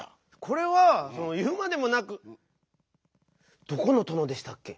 これはいうまでもなくどこのとのでしたっけ？